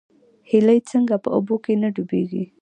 هیلۍ څنګه په اوبو کې نه ډوبیږي؟